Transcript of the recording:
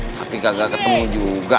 tapi kagak ketemu juga